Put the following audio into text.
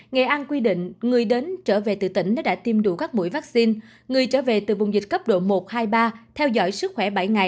nghệ an quy định người đến trở về từ tỉnh đã tiêm đủ các mũi vaccine